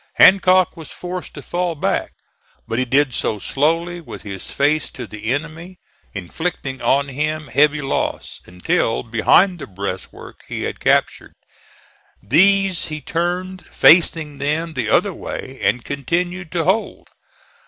Hancock was forced to fall back: but he did so slowly, with his face to the enemy, inflicting on him heavy loss, until behind the breastworks he had captured. These he turned, facing them the other way, and continued to hold.